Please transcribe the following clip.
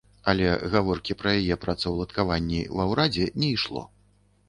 Але гаворкі пра яе працаўладкаванні ва ўрадзе не ішло.